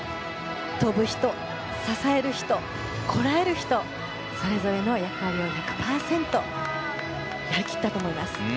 跳ぶ人、支える人こらえる人、それぞれの役割を１００％やり切ったと思います。